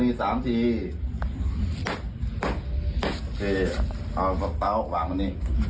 พิธีจริงจังเลยนะ